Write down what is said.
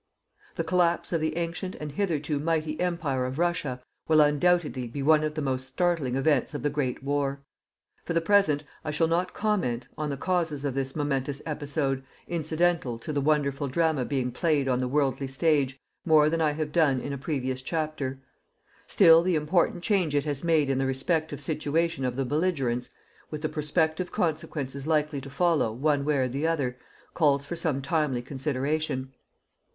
The collapse of the ancient and hitherto mighty Empire of Russia will undoubtedly be one of the most startling events of the "Great War." For the present, I shall not comment, on the causes of this momentous episode, incidental to the wonderful drama being played on the worldly stage, more than I have done in a previous chapter. Still the important change it has made in the respective situation of the belligerents, with the prospective consequences likely to follow, one way or the other, calls for some timely consideration.